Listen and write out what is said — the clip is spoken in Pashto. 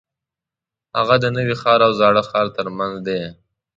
هغه د نوي ښار او زاړه ښار ترمنځ دی.